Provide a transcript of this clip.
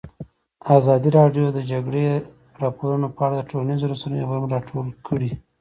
ازادي راډیو د د جګړې راپورونه په اړه د ټولنیزو رسنیو غبرګونونه راټول کړي.